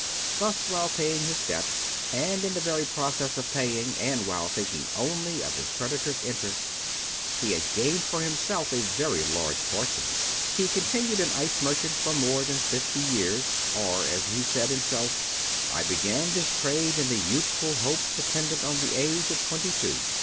Thus, while paying his debts, and in the very process of paying, and while thinking only of his creditors' interest, he had gained for himself a very large fortune. He continued an ice merchant for more than fifty years; or, as he said himself: "I began this trade in the youthful hopes attendant on the age of twenty two.